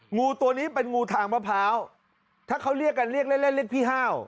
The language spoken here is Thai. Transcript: งูตัวนี้เป็นงูทางมะพร้าวถ้าเขาเรียกกันเรียกเล่นเล่นเรียกพี่ห้าว